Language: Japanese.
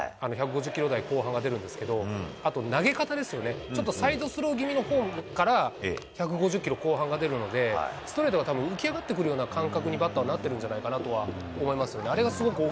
１５０キロ台後半が出るんですけど、あと投げ方ですよね、ちょっとサイドスロー気味のフォームから１５０キロ後半が出るので、ストレートがたぶん、浮き上がってくる感覚に、バッターはなってるかなと思いますよね。